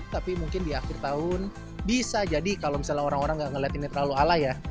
tapi mungkin di akhir tahun bisa jadi kalau misalnya orang orang gak ngeliat ini terlalu ala ya